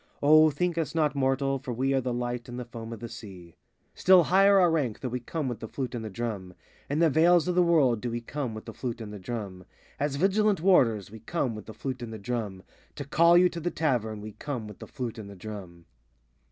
O think us not mortal, for we Are the light on the foam of the sea. Still higher our rank, though we come With the flute and the drum. In the veils of the world do we come With the flute and the drum. As vigilant warders we come With the flute and the drum. To call you to the Tavern we come With the flute and the drum.